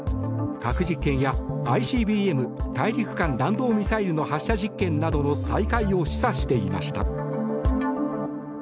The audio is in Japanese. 核実験やＩＣＢＭ・大陸間弾道ミサイルの発射実験などの再開を示唆していました。